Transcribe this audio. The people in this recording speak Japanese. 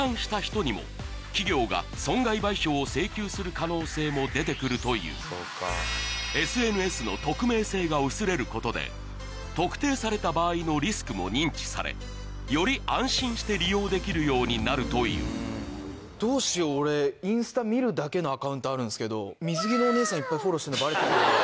弁護士の横粂によるとその対策が進むとＳＮＳの匿名性が薄れることで特定された場合のリスクも認知されより安心して利用できるようになるというどうしよう俺インスタ見るだけのアカウントあるんですけど水着のお姉さんいっぱいフォローしてるのバレたら。